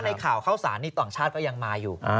ในข่าวเข้าสารนี่ต่างชาติก็ยังมาอยู่